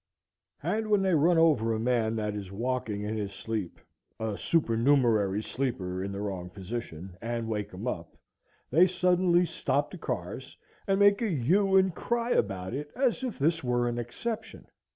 And when they run over a man that is walking in his sleep, a supernumerary sleeper in the wrong position, and wake him up, they suddenly stop the cars, and make a hue and cry about it, as if this were an exception.